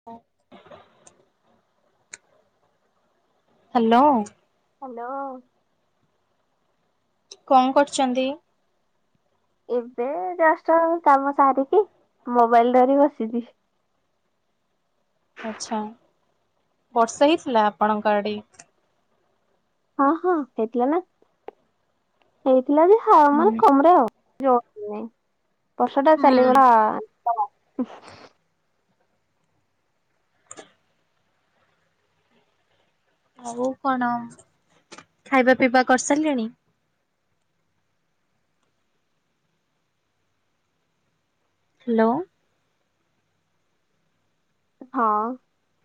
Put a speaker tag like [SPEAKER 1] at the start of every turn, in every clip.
[SPEAKER 1] ହୁଁ। Hello.
[SPEAKER 2] Hello.
[SPEAKER 1] କଣ କରୁଛନ୍ତି?
[SPEAKER 2] ଏବେ ଜଷ୍ଟ କାମ ସାରିକି ମୋବାଇଲ ଧରିକି ବସିଛି।
[SPEAKER 1] ଆଛା ବର୍ଷା ହେଇଥିଲା ଆପଣଙ୍କ ଆଡେ?
[SPEAKER 2] ହଁ ହଁ ହେଇଥିଲା ନା ହେଇଥିଲା ଯେ ହଁ ମାନେ
[SPEAKER 1] ହୁଁ
[SPEAKER 2] କମରେ ଆଉ। ଜୋରସରେ ନାହିଁ। ବର୍ଷା ଟା
[SPEAKER 1] ହୁଁ
[SPEAKER 2] ଚାଲିଗଲା ତମ
[SPEAKER 1] ଆଉ କଣ ଖାଇବା ପିଇବା କରିସାରିଲେଣି? ହ୍ୟାଲୋ।
[SPEAKER 2] ହଁ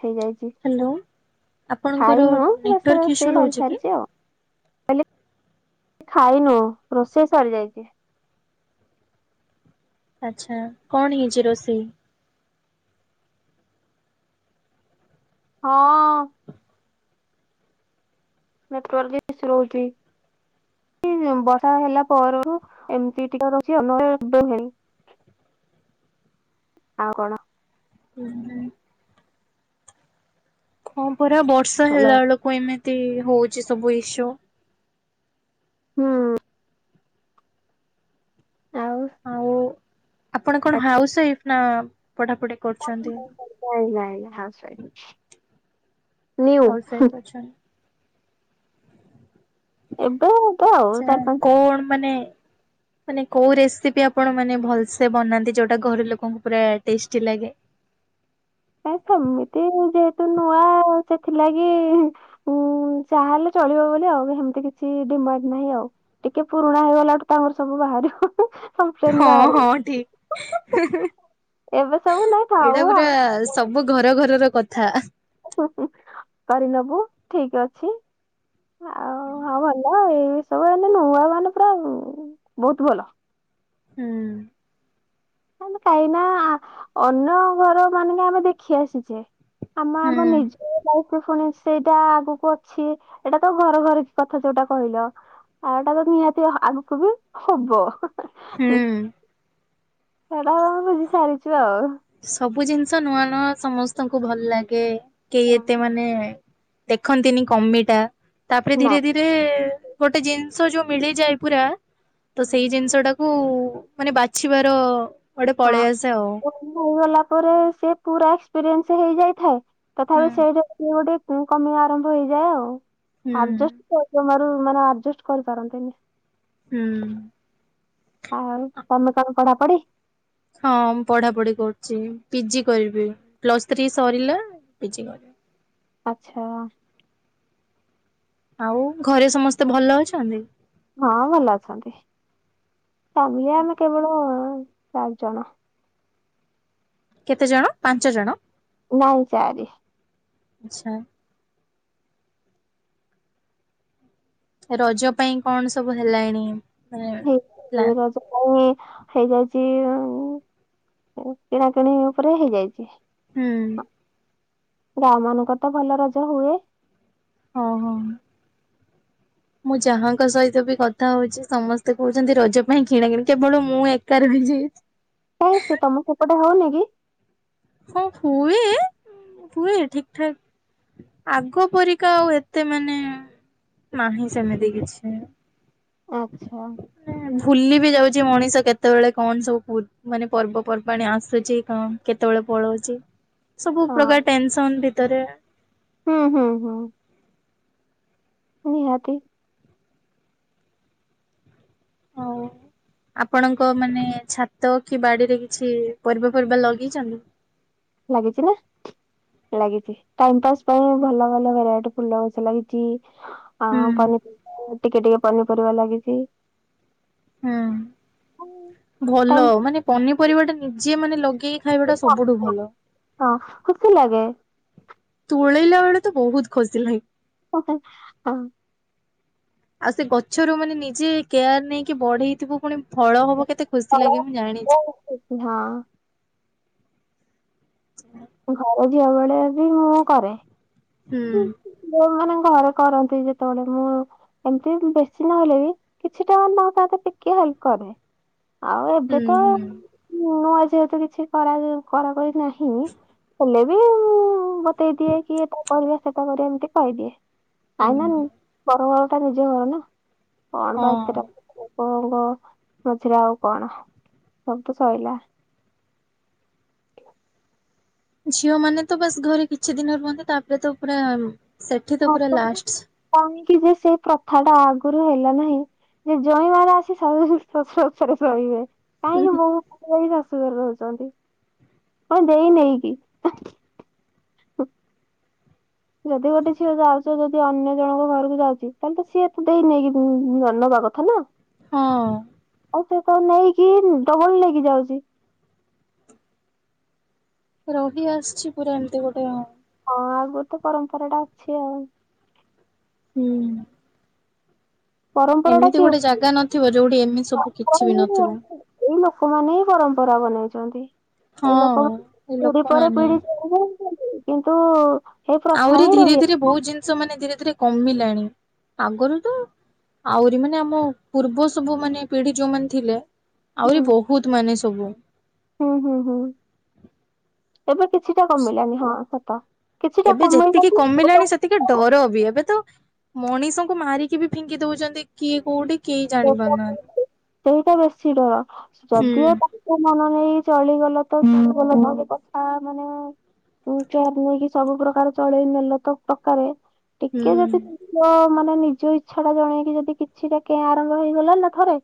[SPEAKER 2] ହେଇଯାଇ ଚି
[SPEAKER 1] ହ୍ୟାଲୋ ଆପଣଙ୍କର
[SPEAKER 2] ଖାଇନୁ ବାସ
[SPEAKER 1] ନେଟୱାର୍କ ଇସ୍ୟୁ
[SPEAKER 2] ରୋଷେଇ
[SPEAKER 1] ରହୁଛି କି?
[SPEAKER 2] କରିସାରିଛି ଆଉ। ହେଲେ ଖାଇନୁ ରୋଷେଇ ସରିଯାଇଛି।
[SPEAKER 1] ଆଚ୍ଛା କଣ ହେଇଛି ରୋଷେଇ?
[SPEAKER 2] ହଁ। ନେଟୱାର୍କ ଇସୁ ରହୁଛି। ବର୍ଷା ହେଲା ପରରୁ ଏମିତି ଟିକେ ରହୁଛି ନହେଲେ ଏବେ ନାହିଁ।
[SPEAKER 1] ହ [inaudible]
[SPEAKER 2] ଆଉ କଣ?
[SPEAKER 1] ହୁଁ ହୁଁ। ହଁ ପରା ବର୍ଷା
[SPEAKER 2] ହ୍ୟାଲୋ
[SPEAKER 1] ହେଲାବେଳକୁ ଏମିତି ହଉଛି ସବୁ ଇସୁ।
[SPEAKER 2] ହୁଁ ହୁଁ।
[SPEAKER 1] ଆଉ ଆପଣ କଣ ହାଉସ୍ ୱାଇଫ ନା ପଢ଼ାପଢି କରୁଛନ୍ତି?
[SPEAKER 2] ନାଇଁ ନାଇଁ ହାଉସୱାଇଫ।
[SPEAKER 1] ହାଉସୱାଇଫ ଅଛନ୍ତି।
[SPEAKER 2] ଏବେ ହବ ଆଉ
[SPEAKER 1] ଆଛା
[SPEAKER 2] ଚାରି ପାଞ୍ଚ
[SPEAKER 1] କଣ ମାନେ ମାନେ କୋଉ ରେସିପି ଆପଣ ମାନେ ଭଲ ସେ ବନାନ୍ତି ଯୋଉଟା ଘରେ ଲୋକଙ୍କୁ ପୁରା ଟେଷ୍ଟି ଲାଗେ?
[SPEAKER 2] ନାଇଁ ସେମିତି ଯେହେତୁ ନୂଆ ସେଥିଲାଗି ଉଁ ଯାହାହେଲେ ଚଳିବ ବୋଲି ଆଉ ହେମିତି କିଛି ଡିମାଣ୍ଡ ନାହିଁ ଆଉ। ଟିକେ ପୁରୁଣା ହେଇଗଲାଠୁ ତାଙ୍କର ସବୁ ବାହାରିବ। କମ୍ପ୍ଲେନ
[SPEAKER 1] ହଁ ହଁ
[SPEAKER 2] ବାହାରିବ।
[SPEAKER 1] ଠିକ
[SPEAKER 2] ଏବେ ସବୁ ନାଇଁ
[SPEAKER 1] ଏଇଟା
[SPEAKER 2] ଥାଉ
[SPEAKER 1] ପୁରା
[SPEAKER 2] ଆମେ
[SPEAKER 1] ସବୁ ଘର ଘରର କଥା।
[SPEAKER 2] କରିନବୁ ଠିକ ଅଛି ଆଉ ହଁ ଭଲ ଆଉ। ସବୁ ମାନେ ନୂଆ ମାନେ ପୁରା ବୋହୁତ୍ ଭଲ।
[SPEAKER 1] ହୁଁ।
[SPEAKER 2] ହଁ ମୁଁ କାହିଁନା ଅନ୍ୟ ଘର ମାନରେ ଦେଖି ଆସିଛେ। ଆମେ ଆମ
[SPEAKER 1] ହୁଁ।
[SPEAKER 2] ନିଜ ଫୁଣି ସେଇଟା ଆଗକୁ ଅଛି ଏଇଟା ତ ଘର ଘର କଥା ଯୋଉଟା କହିଲ। ଆଉଟାକୁ ନିହାତି ଆଗକୁ ବି ହବ।
[SPEAKER 1] ହୁଁ
[SPEAKER 2] ସେଟା ବୁଝି ସାରିଛୁ ଆଉ।
[SPEAKER 1] ସବୁ ଜିନିଷ ନୂଆ ନୂଆ ସମସ୍ତଙ୍କୁ ଭଲ ଲାଗେ କେହି ଏତେ
[SPEAKER 2] ହଁ
[SPEAKER 1] ମାନେ ଦେଖନ୍ତି ନି କମିଟା ତାପରେ ଧୀରେ
[SPEAKER 2] ନାଇଁ
[SPEAKER 1] ଧୀରେ ଗୋଟେ ଜିନିଷ ଯୋଉ ମିଳିଯାଏ ପୁରା ତ ସେଇ
[SPEAKER 2] ହୁଁ।
[SPEAKER 1] ଜିନିଷ ଟାକୁ ମାନେ ବାଛିବାର ଗୋଟେ ପଳେଇ ଆସେ ଆଉ।
[SPEAKER 2] ସବୁ ହେଇଗଲା ପରେ ସେ ପୁରା ଏକ୍ସପିରିଏନ୍ସ ହେଇଯାଇଥାଏ
[SPEAKER 1] ହୁଁ
[SPEAKER 2] ତଥାପି ସେଇଯୋଉ ଗୋଟେ ପୁଣି କମି ଆରମ୍ଭ ହେଇଯାଏ ଆଉ।
[SPEAKER 1] ହୁଁ
[SPEAKER 2] ଆଡଜଷ୍ଟ ଜମାରୁ ମାନେ ଆଜେଷ୍ଟ କରିପାରନ୍ତିନି।
[SPEAKER 1] ହୁଁ।
[SPEAKER 2] ଆଉ ତମେ କଣ ପଢା ପଢି
[SPEAKER 1] ହଁ ମୁଁ ପଢାପଢି କରୁଚି। ପିଜି କରିବି। ପ୍ଲସ୍ ଥ୍ରୀ ସରିଲା ପିଜି କରିବି।
[SPEAKER 2] ଆଛା।
[SPEAKER 1] ଆଉ ଘରେ ସମସ୍ତେ ଭଲ ଅଛନ୍ତି?
[SPEAKER 2] ହଁ ଭଲ ଅଛନ୍ତି ତାପରେ ଆମେ କେବଳ ଚାରି ଜଣ।
[SPEAKER 1] କେତେ ଜଣ ପାଞ୍ଚ ଜଣ।
[SPEAKER 2] ନାଇଁ ଚାରି।
[SPEAKER 1] ଆଛା। ରଜ ପାଇଁ କଣ ସବୁ ହେଲାଣି? ମାନେ ପ୍ଲାନ୍
[SPEAKER 2] ରଜ ପାଇଁ ହେଇଯାଇଛି କିଣାକିଣି ଉପରେ ହେଇଯାଇଛି।
[SPEAKER 1] ହୁଁ।
[SPEAKER 2] ଗାଁ ମାନଙ୍କରେ ତ ଭଲ ରଜ ହୁଏ।
[SPEAKER 1] ହଁ ହଁ। ମୁଁ ଯାହାଙ୍କ ସହିତ ବି କଥା ହଉଛି ସମସ୍ତେ କହୁଛନ୍ତି ରଜ ପାଇଁ କିଣା କିିଣି କେବଳ ମୁଁ ଏକା ରହିଛି। [inaudible]
[SPEAKER 2] କାଇଁ ସେ ତମକୁ ଗୋଟେ ହଉନି କି
[SPEAKER 1] ହଁ ହୁଏ, ହୁଏ ଠିକ୍ ଠାକ୍ ଆଗ ପରିକା ଆଉ ଏତେ ମାନେ ନାହିଁ ସେମିତି କିଛି।
[SPEAKER 2] ଆଛା।
[SPEAKER 1] ଭୁଲି ବି ଯାଉଛି ମଣିଷ କେତେବେଳେ କଣ ସବୁ ମାନେ ପର୍ବପର୍ବାଣି ଆସୁଛି କଣ କେତେବେଳେ ପଳଉଛି। ସବୁ
[SPEAKER 2] ହଁ
[SPEAKER 1] ପ୍ରକାର ଟେନସନ ଭିତରେ
[SPEAKER 2] ହଁ ହଁ ହଁ ନିହାତି।
[SPEAKER 1] ହଉ। ଆପଣଙ୍କ ମାନେ ଛାତ କି ବାଡିରେ କିଛି ପରିବା ଫରିବା ଲଗେଇଛନ୍ତି?
[SPEAKER 2] ଲାଗିଛି ନା। ଲାଗିଛି ଟାଇମ୍ ପାସ୍ ପାଇଁ ଭଲ ଭଲ ଭେରାଇଟି ଫୁଲ ଗଛ ଲାଗିଛି। ହ
[SPEAKER 1] ହୁଁ
[SPEAKER 2] ପନିପରିବା ଟିକେ ଟିକେ ପନିପରିବା ଲାଗିଛି।
[SPEAKER 1] ହୁଁ, ଭଲ
[SPEAKER 2] ଟାଇମ
[SPEAKER 1] ମାନେ ପନିପରିବା ଟା ନିଜେ ମାନେ ଲଗେଇ ଖାଇବାଟା ସବୁଠୁ ଭଲ।
[SPEAKER 2] ହଁ, ଖୁସି ଲାଗେ।
[SPEAKER 1] ତୋଳେଇଲା ବେଳେ ତ, ବହୁତ୍ ଖୁସି ଲାଗେ।
[SPEAKER 2] ହ ହଁ [unintelligible]
[SPEAKER 1] ଆଉ ସେ ଗଛରୁ ମାନେ ନିଜେ କେୟାର ନେଇକି ବଢେଇଥିବ ପୁଣି, ଫଳ ହବ କେତେ ଖୁସି ଲାଗେ। ମୁଁ ଜାଣିଛିି।
[SPEAKER 2] [unintelligible] ହଁ।
[SPEAKER 1] ହଁ [unintelligible]
[SPEAKER 2] ଘର ଝିଅ ବେଳେ ବି, ମୁଁ କରେ।
[SPEAKER 1] ହୁଁ।
[SPEAKER 2] ଯୋଉ ମାନେ ଘରେ କରନ୍ତି, ଯେତେବେଳେ ମୁଁ ଏମ୍ତି ବେଶୀ ନହେଲେ ବି, କିଛି ଟା ମାନେ ହଉ ତା ଟିକିଏ ହେଲ୍ପ୍ କରେ। ଆଉ, ଏବେ
[SPEAKER 1] ହୁଁ
[SPEAKER 2] ତ।
[SPEAKER 1] ହୁଁ
[SPEAKER 2] ମୁଁ ଆଜି ଏତେ କିଛି କରା ଯେ, କରା କରି ନାହିଁ। ହେଲେ ବି ମୁଁ ମୁଁ, ବତେଇ ଦିଏ କିଏ କରିବା ସେଟା କରିବା ଏମିତି କହିଦିଏ, କାହିଁକି
[SPEAKER 1] ହୁଁ।
[SPEAKER 2] ନା ପର ଘର ଟା ନିଜ ଘର ନା। କଣ ଭାଇତରେ
[SPEAKER 1] ହଁ
[SPEAKER 2] [unintelligible] କଣ କ ମଝିରେ ଆଉ କଣ?, ସବୁ ତ ସଇଲା।
[SPEAKER 1] ଝିଅ ମାନେ ତ ବାସ୍ ଘରେ କିଛି ଦିନ ରୁହନ୍ତି, ତାପରେ ତ ପୁରା ସେଠି ତ ପୁରା ଲାଷ୍ଟ୍।
[SPEAKER 2] କାହିଁକି ଯେ ସେଇ ପ୍ରଥା ଟା, ଆଗରୁ ହେଲା ନାହିଁ? ଯେ ଜ୍ୱାଇଁ ଘର ଆସି ଶ୍ୱଶୁର ଘରେ ରହିବେ। [unintelligible] କାହିଁକି ବହୁ ଲୋକ ବି ଶାଶୁଘରେ ରହୁଛନ୍ତି କଣ ଦେଇ ନେଇକି। [unintelligible] ଯଦି ଗୋଟେ ଝିଅ ଯାଉଛ ଯଦି ଅନ୍ୟ ଜଣଙ୍କ ଘରକୁ ଯାଉଛି, ତାହେଲେ ତ ସିଏ ତ ଦେଇ ନେଇକି ଜ ନବା କଥ୍ ଥାନା।
[SPEAKER 1] ହଁ।
[SPEAKER 2] ଆଉ ସେ ତ ନେଇକି, ଡବଲ୍ ନେଇକି ଯାଉଛି।
[SPEAKER 1] ରହି ଆସ୍ଛି ପୁରା, ଏମତି ଗୋଟେ ଆଉ।
[SPEAKER 2] ହଁ ଆଗରୁ ତ, ପରମ୍ପରା ଟା ଅଛି ଆଉ।
[SPEAKER 1] ହୁଁ।
[SPEAKER 2] ପରମ୍ପରା ଟା
[SPEAKER 1] ଏମିତି
[SPEAKER 2] କିଏ
[SPEAKER 1] ଗୋଟେ ଜାଗା ନଥିବ, ଯୋଉଠି ଏମିତି ସବୁ କିଛି ବି ନଥିବ।
[SPEAKER 2] ଏଇ ଲୋକମାନେ ହିଁ, ପରମ୍ପରା ବନେଇଛନ୍ତି। ଏଇ
[SPEAKER 1] ହଁ
[SPEAKER 2] ଲୋକମାନେ
[SPEAKER 1] ଏ
[SPEAKER 2] ପିଢ଼ି ପରେ
[SPEAKER 1] ଲୋକମାନେ
[SPEAKER 2] ପିଢ଼ି ଚାଲୁଛନ୍ତି କିନ୍ତୁ [unintelligible]
[SPEAKER 1] ଆହୁରି
[SPEAKER 2] ହିଁ
[SPEAKER 1] ଧୀରେ
[SPEAKER 2] ରହି
[SPEAKER 1] ଧୀରେ ବହୁତ୍ ଜିନ୍ଷ ମାନେ, ଧୀରେ ଧୀରେ କମିଲାଣି। ଆଗରୁ ତ ଆଉରି ମାନେ ଆମ ପୂର୍ବ, ସବୁ ମାନେ ପିଢି ଯୋଉମାନେ ଥିଲେ।
[SPEAKER 2] ହୁଁ
[SPEAKER 1] ଆହୁରି ବହୁତ୍ ମାନେ ସବୁ।
[SPEAKER 2] ହୁଁ ହୁଁ ହୁଁ, ଏବେ କିଛିଟା କମିଲାନି। ହଁ ସତ। କିଛିଟା କମେଇବା କୁ [unintelligible]
[SPEAKER 1] ଟିକେ ଡର ବି, ଏବେ ତ ମଣିଷଙ୍କୁ ମାରିକି ବି ଫିଙ୍ଗି ଦଉଛନ୍ତି, କିଏ କୋଉଠି କେହି ଜାଣି
[SPEAKER 2] [unintelligible]
[SPEAKER 1] ପାରୁନାହାନ୍ତି।
[SPEAKER 2] ସେଇଟା ବେଶୀ ଡର,
[SPEAKER 1] ହୁଁ
[SPEAKER 2] ଯଦିଓ। କଥା ମାନି ନେଇକି ଚଳିଗଲ ତ, ଚଳିଗଲ [unintelligible] କଥା ମାନେ ଚୋର୍ ଚାର୍ ନେଇକି ସବୁ ପ୍ର୍ରକାର ଚଳେଇ ନେଲେ ତ, ପକାରେ
[SPEAKER 1] ହୁଁ
[SPEAKER 2] ଟିକେ ଯଦି [unintelligible] ମାନେ ନିଜ ଇଚ୍ଛା ଟା ଜଣେଇକି, ଯଦି କିଛିଟା କେ ଆରମ୍ଭ ହେଇଗଲାଣି ନା ଥରେ?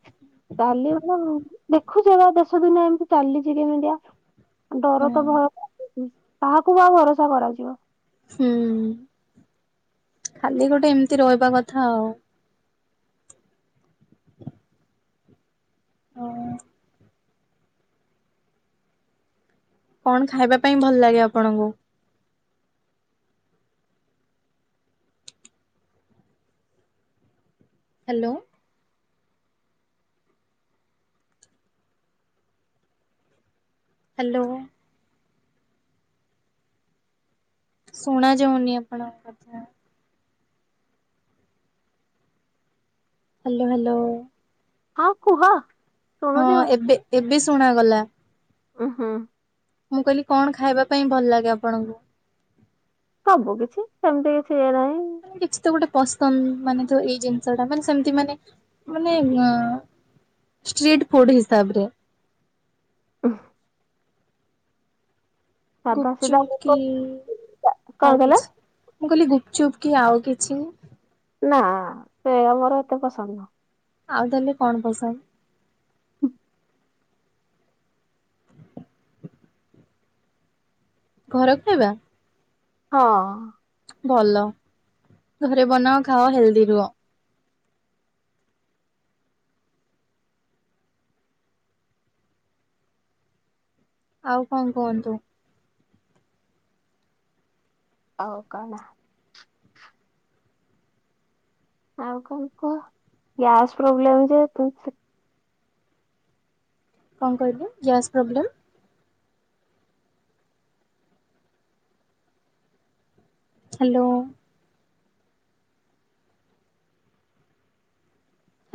[SPEAKER 2] ଚାଲିିବ ନାଈ, ଦେଖୁଛ ବା ଦେଶ ଦୁିନିଆ ଏମିତି ଚାଲିଛି କେମିତିଆ। ଡର ତ ଭୟ, କାହାକୁ ଆଉ ଭରସା କରାଯିବ?
[SPEAKER 1] ହୁଁ, ଖାଲି ଗୋଟେ ଏମିତି ରହିବା କଥା ଆଉ। କଣ ଖାଇବା ପାଇଁ ଭଲ ଲାଗେ ଆପଣଙ୍କୁ? ହାଲୋ। ହାଲୋ। ଶୁଣା ଯାଉନି ଆପଣ କଥା। Hello hello.
[SPEAKER 2] ହଁ, କୁହ।
[SPEAKER 1] ହଁ
[SPEAKER 2] ଶୁଣୁଛି
[SPEAKER 1] ଏବେ ଏବେ ଶୁଣ ଗଲା।
[SPEAKER 2] ଉଁ ହୁଁ।
[SPEAKER 1] ମୁଁ କହିଲି କଣ ଖାଇବା ପାଇଁ ଭଲ ଲାଗେ ଆପଣଙ୍କୁ?
[SPEAKER 2] ସବୁ କିଛି ସେମିତି କିଛି ଇଏ ନାହିଁ।
[SPEAKER 1] କିଛି ତ ଗୋଟେ ପସନ୍ଦ ମାନେ ତ ଏଇ ଜିନିଷ ଟା ମାନେ ସେମତି ମାନେ ମାନେ ଷ୍ଟ୍ରିଟ୍ ଫୁଡ୍ ହିସାବ ରେ।
[SPEAKER 2] [unintelligible] ସାଧା ସିଧା
[SPEAKER 1] ଗୁପଚୁପ୍ କି
[SPEAKER 2] ଲୋକ କଣ
[SPEAKER 1] ଆଉ
[SPEAKER 2] କହିଲ
[SPEAKER 1] କିଛି। ମୁଁ କହିଲି ଗୁପଚୁପ୍ କି ଆଉ କିଛି?
[SPEAKER 2] ନା ସେ ଆ ମୋର ଏତେ ପସନ୍ଦ ନୁହଁ।
[SPEAKER 1] ଆଉ ତାହେଲେ କଣ ପସନ୍ଦ? ଘର ଖାଇବା?
[SPEAKER 2] ହଁ।
[SPEAKER 1] ଭଲ ଘରେ ବନାଅ ଖାଅ ହେଲଦି ରୁହ। ଆଉ କଣ କୁହନ୍ତୁ।
[SPEAKER 2] ଆଉ କଣ? ଆଉ କଣ କୁହ ଗ୍ୟାସ୍ ପ୍ରୋବ୍ଲେମ୍ ଯେହେତୁ ସେ
[SPEAKER 1] କଣ କହିଲୁ gas problem? Hello.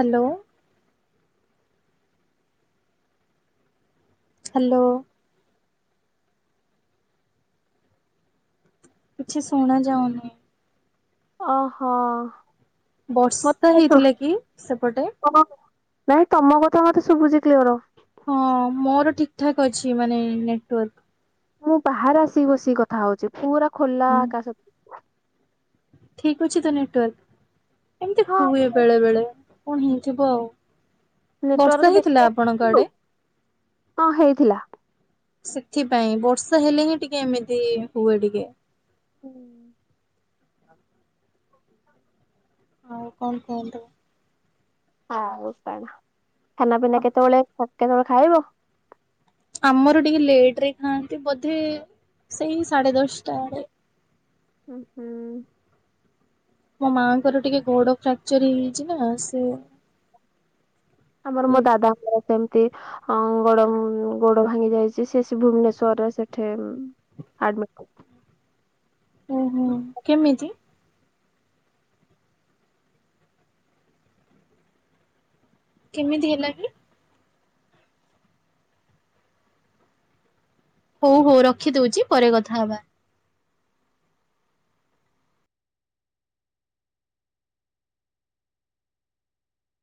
[SPEAKER 1] Hello. Hello. କିଛି ଶୁଣାଯାଉନି।
[SPEAKER 2] ଓ ହୋ।
[SPEAKER 1] ବର୍ଷା ହେଇଥିଲା କି ସେପଟେ?
[SPEAKER 2] ତମ- ନାଇଁ ତମ କଥା ମତେ ଶୁଭୁଛି କ୍ଲିଅର।
[SPEAKER 1] ହଁ ମୋର ଠିକଠାକ୍ ଅଛି ମାନେ ନେଟୱାର୍କ।
[SPEAKER 2] ମୁଁ ବାହାରେ ଆସିକି ବସିକି କଥା ହଉଛି ପୁରା ଖୋଲା
[SPEAKER 1] ହଁ
[SPEAKER 2] ଆକାସ ତ
[SPEAKER 1] ଠିକ୍ ଅଛି ତ ନେଟୱାର୍କ ଏମିତି
[SPEAKER 2] ହଁ
[SPEAKER 1] ହୁଏ ବେଳେ ବେଳେ କଣ ହେଇଥିବ ଆଉ।
[SPEAKER 2] ନେଟୱାର୍କ
[SPEAKER 1] ବର୍ଷା ହେଇଥିଲା
[SPEAKER 2] ଦେଖ
[SPEAKER 1] ଆପଣଙ୍କ ଆଡେ?
[SPEAKER 2] ହଁ ହେଇଥିଲା।
[SPEAKER 1] ସେଥିପାଇଁ ବର୍ଷା ହେଲେ ହିଁଏମିତି ହୁଏ ଟିକେ।
[SPEAKER 2] ହୁଁ।
[SPEAKER 1] ଆଉ କଣ କୁହନ୍ତୁ
[SPEAKER 2] ଆଉ କଣ ଖାନା ପିନା କେତେବେଳେ କେତେଆବେଳେ ଖାଇବ।
[SPEAKER 1] ଆମର ଟିକେ ଲେଟ ରେ ଖାଆନ୍ତି ବୋଧେ ସେଇ ସାଢେ ଦଶଟା ଆଡ଼େ।
[SPEAKER 2] ଉ ହୁଁ।
[SPEAKER 1] ମୋ ମାଆଙ୍କର ଟିକେ ଗୋଡ ଫ୍ରାକ୍ଚର ହେଇଯାଇଛି ନା ସେ
[SPEAKER 2] ଆମର ମୋ ଦାଦାଙ୍କର ସେମିତି ହଁ ଗୋଡ ଗୋଡ ଭାଙ୍ଗି ଯାଇଛି ସେ ଭୁବନେଶ୍ଵରରେ ସେଠେ ଆଡିମିଟି କଲି।
[SPEAKER 1] ଓହୋ କେମିତି କେମିତି ହେଲା କି। ହଉ ହଉ ରଖି ଦଉଛି ପରେ କଥା ହବା।